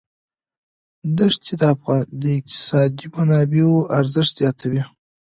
دښتې د اقتصادي منابعو ارزښت زیاتوي.